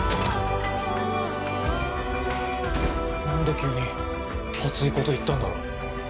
何で急に熱いこと言ったんだろう？